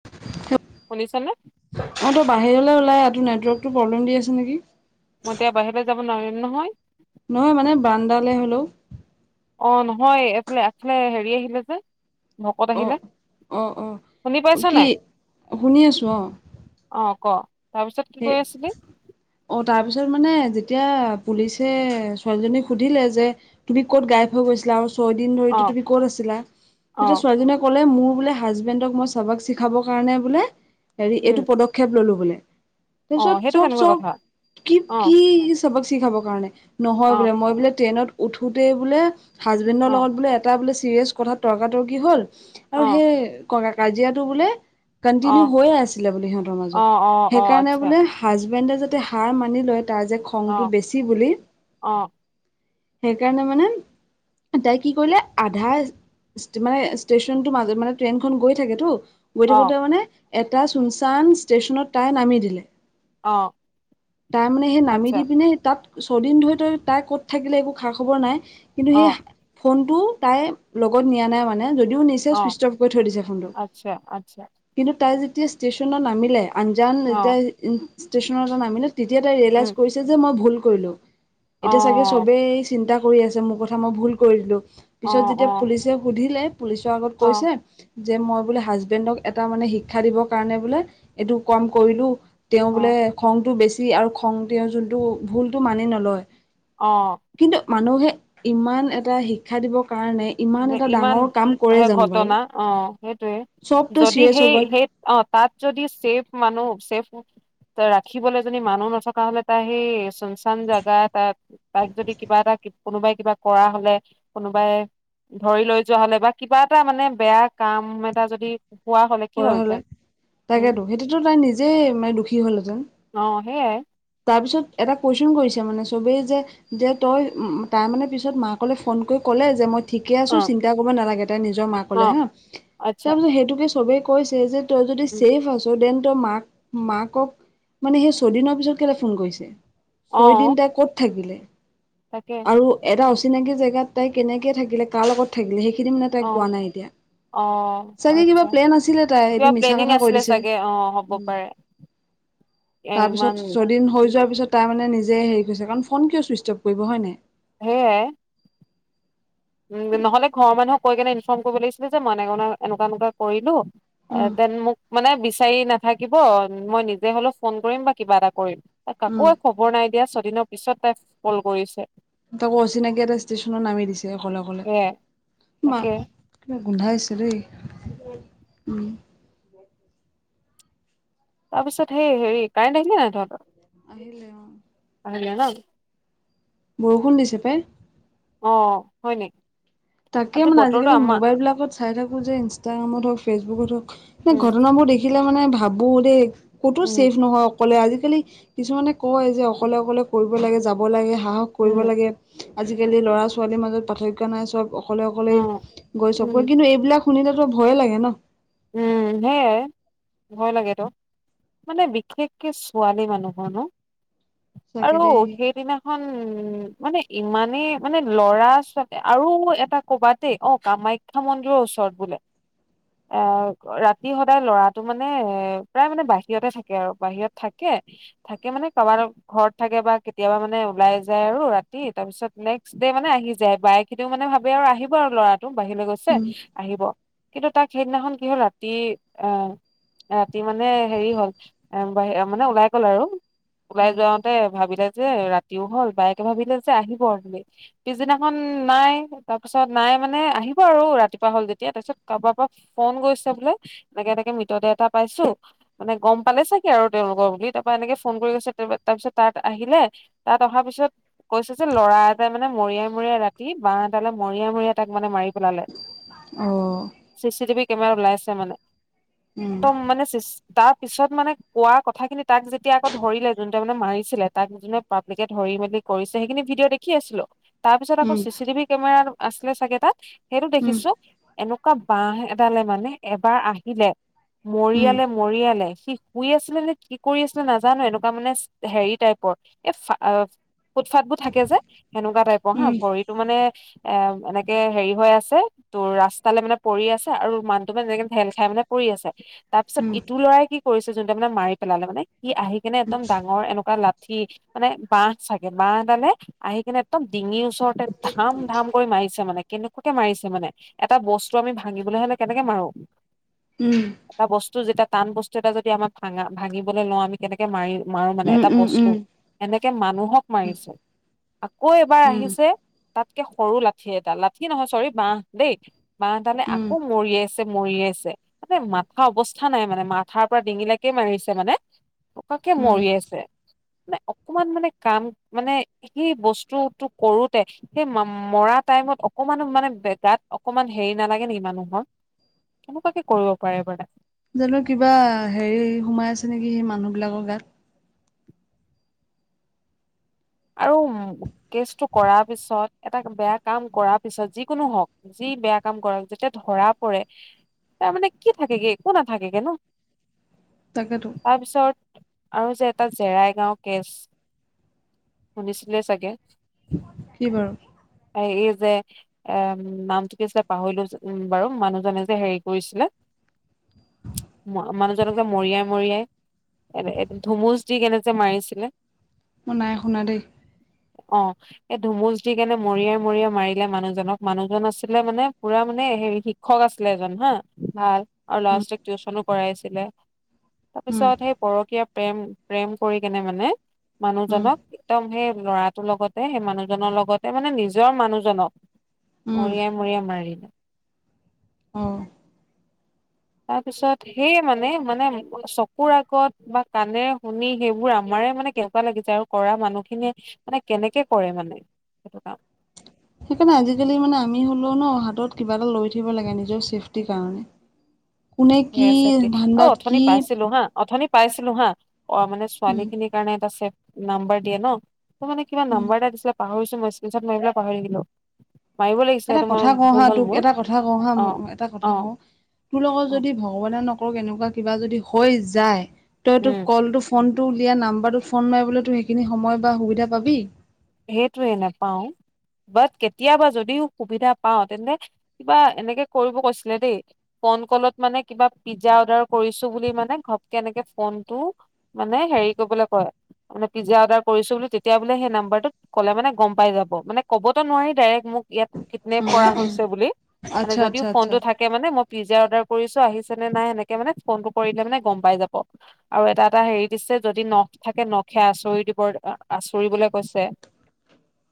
[unintelligible] শুনিছানে? অহ, তই বাহিৰলৈ ওলাই আহ তোৰ নেটৱৰ্কতটো প্ৰব্লেম দি আছে নেকি। মই এতিয়া বাহিৰলৈ যাব নোৱাৰিম নহয়। নহয় মানে বান্দালে হ'লেও। অহ, নহয় এইফালে আগফালে হেৰি আহিলে যে। ভকত অ আহিলে। অ শুনি পাইছ অ কি নাই? শুনি আছো অহ, ক'। তাৰপিছত কি [unintelligible] কৈ আছিলি? অহ, তাৰপিছত মানে যেতিয়া পুলিচে ছোৱালীজনীক সুধিলে যে তুমি ক'ত গাইফ হৈ গৈছিলা আৰু ছয় দিন ধৰিতো অ' তুমি ক'ত আছিলা। তেতিয়া অ' ছোৱালজনীয়ে ক'লে মোৰ বোলে হাজবেণ্ডক মই চবাক শিখাবৰ কাৰণে বোলে, হেৰি উম এইটো পদক্ষেপ ললোঁ বোলে। অ' তাৰপিছত সেইটো কেনেকুৱা চব-চব কথা? কি অ' কি চবা শিখাকাৰণে নহয় অ' বোলে। মই বোলে ট্ৰেইনত উঠোতেই বোলে হাজবেণ্ডৰ অ' লগত বোলে এটা বোলে চিৰিয়াছ কথাত তৰ্কাতৰ্কি হ'ল আৰু অ' সেই কাজিয়াটো বোলে অ' কণ্টিনিউ হৈয়ে আছিলে বোলে সিহঁতৰ অ' মাজত। অ' অ' সেইকাৰণে আচ্ছা বোলে হাজবেণ্ডে যাতে হাৰ মানি লয় তাৰ যে খংটো অ' বেছি বুলি। অ' সেইকাৰণে মানে তাই কি কৰিলে আধাৰ মানে ষ্টেশচনটোৰ মাজত মানে ট্ৰেইনখন গৈ থাকেতো। গৈ অ' থাকোঁতে মানে এটা চুনচান ষ্টেচনত তাই নামি দিলে। অ' তাই মানে সেই নামি আচ্ছা দি পিনে তাত ছয়দিন ধৰি তই তাৰ ক'ত থাকিলে একো খা-খবৰ নাই কিন্তু সেই অ' ফোনটো তাই লগত নিয়া নাই, মানে যদিও নিচে অ' চুইচ অফ কৰি থৈ দিছে ফোনটো। আচ্ছা আচ্ছা কিন্তু তাই যেতিয়া ষ্টেচনত নামিলে, আঞ্জান অ' যেতিয়া ষ্টেচনত নামিলে। তেতিয়া তাই ৰিয়েলাইজ উম কৰিছে যে মই ভুল কৰিলোঁ। অ' এতিয়া চাগে চবেই চিন্তা কৰি আছে মোৰ কথা মই ভুল কৰি দিলোঁ, অ' পিছত যেতিয়া অ' পুলিচে সুধিলে পুলিচৰ আগত অ' কৈছে। যে মই বোলে হাজবেণ্ডক এটা মানে শিক্ষা দিবৰ কাৰণে বোলে এইটো কাম কৰিলোঁ। তেওঁ বোলে অ' খংটো বেছি আৰু খং তেওঁৰ যোনটো ভুলটো মানি নলয়। অহ। কিন্তু মানুহে ইমান এটা শিক্ষা দিবৰ কাৰণে। ইমান মানে এটা ইমান ডাঙৰ কাম কৰে সেই জানো বাৰু ঘটনা অহ, সেইটোৱে। চবতো যদি চিৰিয়াছ হৈ গ'ল সেই-সেই অহ, তাত যদি চেফ মানুহ চেফ তাত ৰাখিবলে যদি মানুহ নথকা হ'লে তাই সেই চোনচান জাগা এটাত তাইক যদি কিবা এটা, কোনোবাই কিবা কৰা হ'লে, কোনোবাই ধৰি লৈ যোৱা হ'লে বা কিবা এটা মানে বেয়া কাম এটা যদি হোৱা হলে কি কৰা হ'লে হ'লহেঁতেন উম তাকেতো, সেইটোতো তাই নিজেই মানে দুখী হলহেঁতেন। অহ, সেইয়াই। তাৰপিছত এটা কুৱেশচন কৰিছে মানে চবেই যে যে তই তাৰমানে পিছত মাকলে ফোন কৰি ক'লে যে মই ঠিকে অ আছোঁ চিন্তা কৰিব নালাগে, তাই নিজৰ অ মাকলে হা। আচ্ছা তাৰ শপিছত সেইটোকে চবেই কৈছে যে তই যদি উম ছেফ আছ দেন তই মাক মাকক মানে সেই ছদিনৰ পিছত কেলে ফোন কৰিছে। অ ছয় দিন তাই ক'ত থাকিলে? তাকে। আৰু এটা অচিনাকি জেগাত তাই কেনেকে থাকিলে কাৰ লগত থাকিলে সেইখিনি মানে তাই অ কোৱা নাই এতিয়া অ চাগে কিবা আচ্ছা প্লেন আছিলে তাই কিবা এইটো মিছা প্লেনিং কথা কৈ আছিলে দিছে। চাগে অ হ'ব পাৰে এ তাৰ ইমান পিছত ছয়দিন উম হৈ যোৱাৰ পিছত তাৰ মানে নিজে হেৰি কৰিছে কাৰণ ফোন কিয় ছুইচ অফ কৰিব হয় নে নাই। সেইয়াই। উম, নহ'লে ঘৰৰ মানুহ কৈ কেনে ইনফৰ্ম কৰিব লাগিছিলে যে মইনে এনেকুৱ একুৱা কৰিলো। এ উম। দেন মোক মানে বিচাৰি না থাকিব মই নিজে হলেও ফোন কৰিম বা কিবা এটা কৰিম উম কাকো আ খবৰ নাই দিয়া ছদিনৰ পিছত তাই কল কৰিছে। তাকৌ অচিনাকি এটা ষ্টেশচনত নামি দিছে অকলে অকলে সেয়াই মা তাকে কিবা গোন্ধাইছে দেই উম। তাৰ পিছত স হেৰি কাৰেণ্ট আহছিল নে নাই তহঁতৰ? আহিলে অ'। আহিলে ন? বৰষুণ দিছে পাই। অ', হয় নেকি? তাকে আজি মানে বতৰটো আজিকালি আমাৰ মোবাইল বিলাকত চাই থাকো যে ইনষ্টাগ্ৰামত হওক ফেচবুকত হওক স উম ঘটনাবোৰ দেখি দেখিলে মানে ভাবোঁ দেই ক'তো উম চছেফ নহয় অকলে আজিকালি কিছুমানে কয় যে অকলে অকলে কৰিব লাগে যাব লাগে সাহস কৰিব উম লাগে। আজিকালি ল'ৰা ছোৱালীৰ মাজত পাৰ্থক্ নাই চব অকলে অ অকলেই গৈ উম চবৈ কিন্তু এইবিলাক শুনিলেত তো ভয়ে লাগে ন। উম, সেয়াই ভয় লাগেতো। মানে বিশেষকে ছোৱালী মানুহৰনো সঁচাকে আৰু দেই সেইদিনা উম, মানে ইমানেই মানে লৰা ছোৱালী আৰু এটা কবাতেই অ কামাা খ্য মন্দিৰৰ ওচৰত বোলে। এ ৰাতি সদায় লৰাটো মানে এ প্ৰায় মানে বাহিৰতে থাকে আৰু বাহিৰত থাকে। থাকে মানে কাৰবাৰ ঘৰত থাকে বা কেতিয়াবা মানে ওলাই যায় আৰু ৰাতি তাৰপিছত নেক্সট ডে মানে আহি যায় বাইক সেইটো মানে ভাবে আৰু আহিব আৰু ল'ৰাটো বাহিৰলৈ গৈছে অ আহিব কিন্তু তাক সেইদিনাখন কি হ'ল ৰাতি আহ ৰাতি মানে হেৰি হ'ল এ বাহি মানে ওলাই গ'ল আৰু ওলাই উম যোৱা তে ভাবিলে যে ৰাতিও হল বায়েকে ভাবিলে যে আহিব আৰু পিছদিনাখন নাই তাৰপিছত নাই মানে আহিব আৰু ৰাতিপুৱা হ'ল যেতিয়া তাৰ পিছত কাৰবাৰ পৰা ফোন কৰিছে বোলে এনেকে এনেকে মৃতদেহতটা পাইছো। মানে গম পালে চাগে আৰু তেওঁলোকৰ বুলি তাৰপৰা এনেকে ফোন কৰি গৈছে তাৰপিছত তাত আহিলে। তাত অহা পিছত কৈছে যে ল'ৰা এটাই মানে মৰিয়াই মৰিয়াই ৰাতি বাঁহ এটালে মৰিয়াই মৰিয়াই তাক মানে মাৰি পেলালে। অ'। চি চি টিভি কেমেৰা ওলাই আছে মানে উম একদম মানে চ তাৰ পিছত মানে কোৱা কথা খিনি তাক যেতিয়া আকৌ ধৰিলে যোন ত মানে মাৰিছিলে তাক যোনে পাব্লিকে ধৰি মেলি কৰিছে সেইখিনি ভিডিঅ' দেখি আছিলো। তাৰ পিছত আকৌ উম চি চি টিভি কেমেৰা আছিলে চাগে তাত সেইটো উম দেখিছো এনেকুৱা বাহ এডালে মানে এবাৰ আহিলে। উম মৰিয়ালে মৰিয়ালে সি শুই আছিলে নে কি কৰি আছিলে নাজানো এনেকুৱা মানে হেৰি টাইপৰ এ ফ ফুট ফট বোৰ থাকে যে সেনেকুৱা টাইপৰ হা উম ভৰিত তটো মানে এ এনেকে হেৰি হৈ আছে তোৰ ৰাস্তালৈ মানে পৰি আছে আৰু মানুটো মানে যেনেক ঢেল খাই মানে পৰি আছে তাৰপিছত উম ইটো লৰাই কি পৰিছে যোনটো মানে মাৰি পেলালে, মানে সি আহি কেনে একদম ডাঙৰ এনেকুৱা লাঠি মানে বাহ চাগে, বাহ এডালে আহি কিনে একদম ডিঙিৰ ওচৰতে ধাম ধাম কৰি মাৰিছে, মানে কেনেকুৱাকে মাৰিছে মানে। এটা বস্তু আমি ভাঙিবলৈ হ'লে কেনেকে মাৰো? উম। এটা বস্তু যেতিয়া টান বস্তু এটা যদি আমাক ভাঙা-ভাঙিবলৈ লওঁ আমি কেনেকে মাৰি-মাৰো মানে উম এটা উম বস্তু, উম এনেকে মানুহক মাৰিছে। আকৌ এবাৰ উম আহিছে তাতকে সৰু লাঠি এডাল, লাঠি নহয়, চ'ৰি, বাঁহ দেই। বাঁহডালে উম আকৌ মৰিয়াইছে, মৰিয়াইছে। মানে মাথা অৱস্থা নাই মানে, মাথাৰ পৰা ডিঙিলৈকে মাৰিছে মানে। ককাকে উম মৰিয়াইছে, মানে অকমান মানে কাম মানে সি বস্তুটো কৰোতে, সেই মৰা টাইমত অকমানো মানে গাত অকমান হেৰি নালাগে নেকি মানুহৰ? কেনেকুৱাকে কৰিব পাৰে বাৰু। জানো কিবা হেৰি সোমাই আছে নেকি, সেই মানুহ বিলাকৰ গাত। আৰু কেচটো কৰাৰ পিছত, এটা বেয়া কাম কৰাৰ পিছত, যিকোনো হওঁক যি বেয়া কাম কৰক, যেতিয়া ধৰা পৰে তাৰমানে কি থাকেগে? একো নাথাকেগে নহ? তাকেতো তাৰপিছত আৰু যে এটা জেৰাই গাও কেচ শুনিছিলেই চাগে? কি বাৰু? এই যে এ নামটো কি আছিলে পাহৰিলো উ বাৰু, মানুহজনে যে হেৰি কৰিছিলে মানুহজনক যে মৰিয়াই, মৰিয়াই [unintelligible] ধুমুচ দি কেনে যে মাৰিছিলে? মই নাই শুনা দেই। অ', এই ধুমুচ দি কেনে মৰিয়াই, মৰিয়াই মাৰিলে মানুহজনক, মানুহজন আছিলে মানে পুৰা মানে হে শিক্ষক আছিলে এজন হা। ভাল, আৰু উম ল'ৰা-ছোৱালীক টিউচনো কৰাইছিলে। উম তাৰপিছত সেই পৰকীয়া প্ৰেম-প্ৰেম কৰি কেনে মানে উম মানুহজনক একদম সেই ল'ৰাটোৰ লগতে, সেই মানুহজনৰ লগতে মানে নিজৰ মানুহজনক উম মৰিয়াই, মৰিয়াই মাৰিলে। অ'। তাৰপিছত সেয়েই মানে-মানে চকুৰ আগত বা কাণে শুনি সেইবোৰ আমাৰে মানে কিবা লাগি যায় আৰু কৰা মানুহখিনিয়ে মানে কেনেকে কৰে মানে, সেইটো কাম। সেইকাৰণে আজিকালি মানে আমি হ'লেও নহ, হাতত কিবা এটা লৈ থাকিব লাগে নিজৰ চেফটিৰ কাৰণে। কোনে কি [unintelligible] অ', ধান্দাত অথনি কি পাইছিলো হা? অথনি পাইছিলো হা, অ', মানে উম ছোৱালীখিনিৰ কাৰণে এটা চেফ নাম্বাৰ দিয়ে নহ? তোৰ মানে কিবা উম নাম্বাৰ এটা দিছিলে পাহৰিছো মই, স্ক্ৰীনশ্বট মাৰি পেলাই পাহৰি থাকিলোঁ। মাৰিবই লাগিছিলে, এটা সেইটো ম কথা কওঁ ভুল হা হ'ল তোক মোৰ। এটা কথা কওঁ হা অ', এটা কথা অ'। কওঁ তোৰ লগত অ', যদি ভগৱানে নকৰক এনেকুৱা কিবা যদি হৈ যায়, তই তোৰ উম। কলটো ফোনটো উলিয়াই নাম্বাৰটোত ফোন মাৰিবলে তো সেইখিনি সময় বা সুবিধা পাবি? সেইটোৱেই নেপাও। বাত, কেতিয়াবা যদিও সুবিধা পাওঁ, তেন্তে কিবা এনেকে কৰিব কৈছিলে দেই? ফোন কলত মানে কিবা পিজ্জা অৰ্ডাৰ কৰিছোঁ বুলি, মানে ঘপকে এনেকে ফোনটো মানে হেৰি কৰিবলৈ কয়, পিজ্জা অৰ্ডাৰ কৰিছো বুলি তেতিয়া বোলে সেই নাম্বাৰটো কলে মানে গম পাই যাব, মানে ক'বতো নোৱাৰি ডাইৰেক্ট মোক ইয়াত নেপ উম উম কৰা উম হৈছে বুলি, মানে আচ্ছা যদিও আচ্ছা আচ্ছা ফোনটো থাকে মানে মই পিজ্জা অৰ্ডাৰ কৰিছো আহিছে নে নাই? সেনেকে মানে, ফোনটো কৰিলে মানে গম পাই যাব। আৰু এটা এটা হেৰি দিছে, যদি নখ থাকে নখে আঁচুৰি দিব আঁচৰিবলে কৈছে।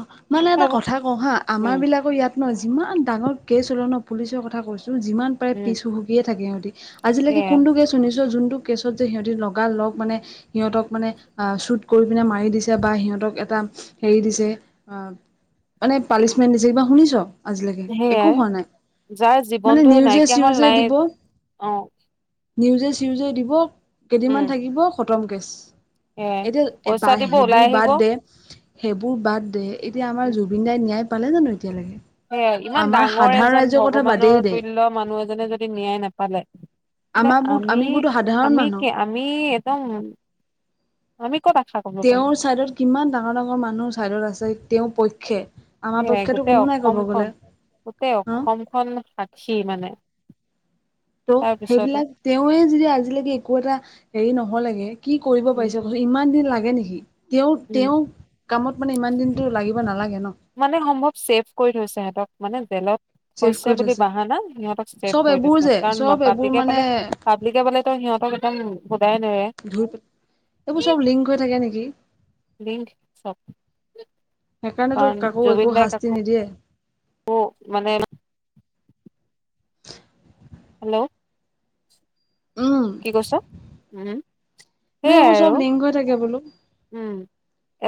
অ', মানে এটা এইবোৰ কথা কওঁ হা, আমাৰ উম বিলাকৰ ইয়াত নহ যিমান ডাঙৰ কেছ হলেও ন, পুলিচৰ কথা কৈছো, যিমান পাৰে উম পিছ হুহঁকিয়েই থাকে সিহতি। আজিলৈকে সেয়াই কোনটো কেছ শুনিছো, যোনটো কেছত যে সিহঁতি লগা লগ মানে সিহঁতক মানে আহ শ্বুট কৰি পিনে মাৰি দিছে বা সিহঁতক এটা হেৰি দিছে। মানে পানিচমেণ্ট দিছে কিবা শুনিছ? আজিলৈকে একো সেয়াই হোৱা নাই, যাৰ মানে জীৱনটো নিউজে নাইকিয়া হ'ল চিউজে নাই দিব। অ'। নিউজে চিউজে দিব, উম কেইদিনমান থাকিব, খতম কেছ। সেয়াই এতিয়া পইচা [unintelligible] দিব ওলাই সেইবোৰ আহিব বাদ দে সেইবোৰ বাদ দে এতিয়া আমাৰ উম জুবিন দাই ন্যায় পালে জানো এতিয়ালৈকে সেয়াই ইমান আমাৰ ডাঙৰ সাধাৰণ এজন ৰাইজৰ কথা বাদেই ভগৱানৰ দে তুল্য মানুহ এজনে যদি ন্যায় নাপালে আমাৰবোৰ আমি, আমিবোৰতো সাধাৰণ আমি মানুহ কি? আমি একদম, আমি ক'ত আশা কৰিব পাৰিম তেওঁৰ চাইডত কিমান ডাঙৰ ডাঙৰ মানুহৰ চাইডত আছে তেওঁৰ পক্ষে আমাৰ সেয়াই পক্ষেতো গোটেই কোনো নাই ক'ব অসমখন, গ'লে গোটেই ন অসমখন সাক্ষী মানে। ত' তাৰ পিছতো সেইবিলাক তেৱে যদি আজিলৈকে একো এটা হেৰি নহলেগে কি কৰিব উম পাৰিছে ইমান দিন লাগে নেকি তেওঁ উম তেওঁৰ কামত মানে ইমান দিনটো লাগিব নালাগে ন। মানে সম্ভৱ ছেফ কৰি থৈছে সিহঁতক মানে জেলত ছেভ হৈছে কৰি বুলি থৈছে বাহানা সিহঁতক চেফ চব কৰি এইবোৰ থৈছে, যে কাৰণ চব এইবোৰ পাব্লিকে মানে পালে পাব্লিকে পালে তো সিহঁতক একদম সোধাই নেৰে। [unintelligible] এইবোৰ চব লিংক হৈ থাকে নেকি। লিংক চব [inaudible] সেইকাৰণেতো কাকো একো শাস্তি নিদিয়ে। অ' মানে হেল্ল'। উম কি কৈছ? উম। নাই সেইয়াই এইবোৰ আৰু চব লিংক হৈ থাকে বোলো। উম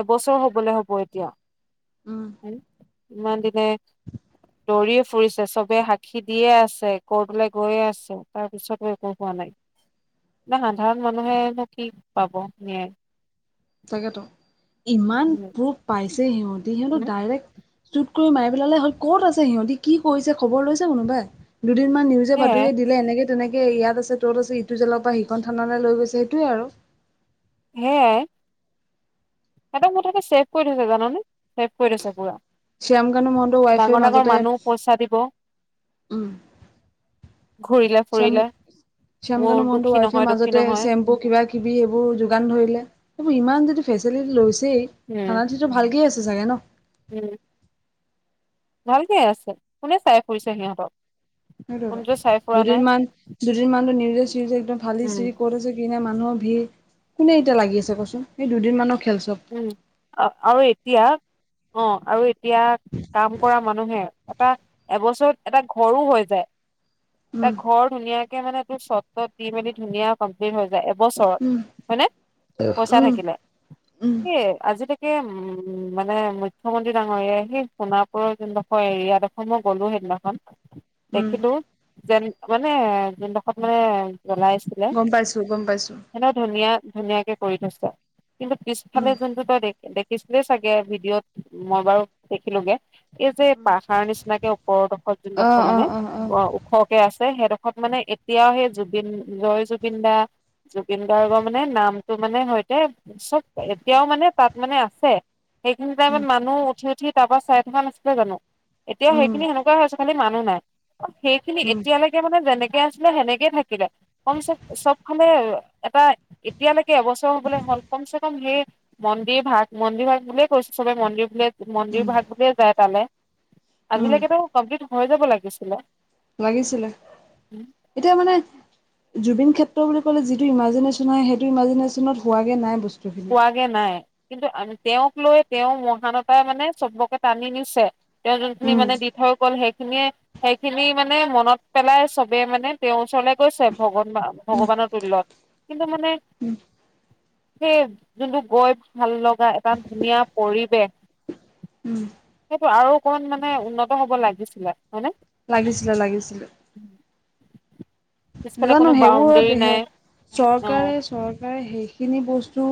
এবছৰ হ'বলে হ'ব এতিয়া। উম। ইমান দিনে দৌৰিয়ে ফুৰিছে চবে সাক্ষী দিয়ে আছে। কোৰ্টলে গৈয়ে আছে তাৰ পিছতো একো হোৱা নাই। সাধাৰণ মানুহেনো কি পাব ন্যায় তাকেটো ইমান উম প্ৰুফ পাইছে সিহঁতি, সিহঁতক উম ডাইৰেক্ট চুট কৰি মাৰি পেলালে হ'ল। ক'ত আছে সিহঁতে কি কৰিছে খবৰ লৈছে কোনোবাই দুদিন মান নিউ যে সেয়াই বাতৰিয়ে দিলে এনেকে তেনেকে ইয়াত আছে ত'ত আছে ইটো জালৰ পৰা সিখন থানালৈ লৈ গৈছে সেইটোয়ে আৰু [unintelligible] [unintelligible] মোৰ তাতে ছেভ কৰি থৈছে জানানে, ছেভ কৰি থৈছে পুৰা। শ্যামকানু মহন্তৰ ৱাইফে ডাঙৰ ডাঙৰ মাজতে মানুহ পইচা দিব। ঘূৰিলে শাম ফুৰিলে মোৰ শ্যামকানু মহন্তটোৰ দুখী ৱাইফ নহয় দুখী মাজতে নহয় চেম্পু কি বা টি বি সেইবোৰ যোগান ধৰিলে সেইবোৰ ইমান যদি ফেচিলিটি লৈছেই উম থানাট টো ভালকে আছে চাগে ন। উম। ভালকেই আছে কোনে চাই ফুৰিছে সিহঁতক। সেই কোনোটোৱে চাই ফুৰা দুদিন নাই মান, দুদিন মানটো নিউজে চিউজে একদম ফালি উম চিৰি কৰিছে। মানুহৰ ভিৰ কোনে এতিয়া লাগি আছে কচোন সেই দুদিন মানৰ খেল চব। উম, আৰু এতিয়া অ' আৰু এতিয়া কাম কৰা মানুহে এটা এবছৰত এটা ঘৰো হৈ যায়। এটা উম ঘৰ ধুনীয়া একে মানে তোৰ চত তট দি মেলি ধুনীয়া কমপ্লিট হৈ যায়। বছৰত উম হয়নে পইচা উম থাকিলে। উম আজি লৈকে উম মানে মুখ্যমন্ত্ৰী ডাঙৰীয়াই সেই সোণাপুৰৰ যোনডখৰ হয় য়াদ দখৰ মই গ'লো সেইদিনাখন। উম দেখিটো যেন মানে গম পাইছো গম পাইছো [unintelligible] [inaudible] ধুনীয়া ধুনীয়াকে, কৰি থৈছ কিন্তু উম পিছফালে যোনটো তই দেখিছিলে চাগে ভিডিঅ'ত মই বাৰু দেখিলোগে। এই যে উম পাহাৰ নিচিনাকে ওপৰৰডোখৰ যোনডোখৰ মানে অ, দুখৰকে আছে, সেইডোখৰত মানে এতিয়াও সেই জুবিন, জয় জুবিন দা। জুবিন গাৰ্গৰ মানে নামটো মানে সৈতে চব এতিয়াও মানে তাত মানে আছে, সেইখিনি টাইমত উম মানুহ উঠি উঠি তাৰ পৰা চাই থকা নাছিলে জানো? এতিয়াও উম সেইখিনি সেনেকুৱা হৈছে, খালি মানুহ নাই। সেইখিনি উম এতিয়ালৈকে এতিয়ালৈকে মানে যেনেকে আছিলে সেনেকে থাকিলে, [inaudible] চব ফালে এটা এতিয়ালৈকে এবছৰ হ'বলৈ হ'ল কমচে সেই কম মন্দিৰ ভাগ মন্দিৰ ভাগ বুলিয়ে কৈছো, চবে মন্দিৰ বুলিয়ে মন্দিৰ উম ভাগ বুলিয়ে যায় তালে। উম আজিলৈকেতো কমপ্লিট হৈ যাব লাগিছিলে। লাগিছিলে, এতিয়া মানে জুবিন ক্ষেত্ৰ বুলি ক'লে যিটো ইমাজিনেশ্যন হয়, সেইটো ইমাজিনেশ্যনত হোৱা‌ গে নাই বস্তু হোৱাগে নাই, কিন্তু তেওঁক লৈ তেওঁ মহানতাই মানে চবকে টানি নিছে। তেওঁ যোনখিনি উম, মানে দি থৈ গ'ল, সেইখিনিয়ে সেইখিনি মানে মনত পেলাই চবে মানে তেওঁৰ ওচৰলে গৈছে, ভগ ভগৱানৰ তুল্যত। কিন্তু মানে সেই যোনটো গৈ ভাল লগা এটা ধুনীয়া পৰিৱেশ উম। সেইটো আৰু অকণমান মানে উন্নত হ'ব লাগিছিলে হয়নে? লাগিছিলে, লাগিছিলে। [inaudible] নাজানো কোনো বাউণ্ডেৰী সেইবোৰত, নাই [inaudible] অ'। চৰকাৰে চৰকাৰে সেইখিনি বস্তু